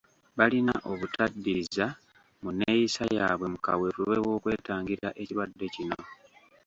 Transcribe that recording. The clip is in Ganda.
Balina obutaddiriza mu nneeyisa yaabwe mu kaweefube w’okwetangira ekirwadde kino.